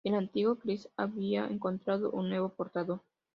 El antiguo Kriss había encontrado un nuevo portador.